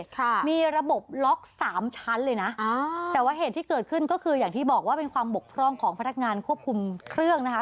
ค่ะมีระบบล็อกสามชั้นเลยนะอ่าแต่ว่าเหตุที่เกิดขึ้นก็คืออย่างที่บอกว่าเป็นความบกพร่องของพนักงานควบคุมเครื่องนะคะ